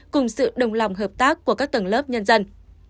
cùng sự đồng lòng hợp tác của các tầng lớp nhân dân